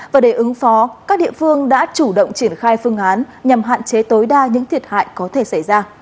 và để ứng phó các địa phương đã chủ động triển khai phương án nhằm hạn chế tối đa những thiệt hại có thể xảy ra